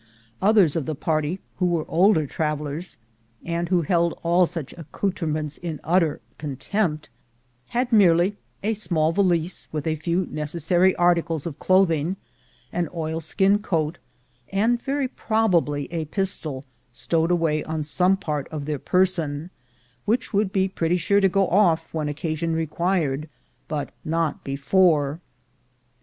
Others of the party, who were older travelers, and who held all such accoutrements in utter contempt, had merely a small valise with a few necessary articles of clothing, an oil skin coat, and, very probably, a pistol stowed away on some part of their person, which would be pretty sure to go off when occasion required, but not before.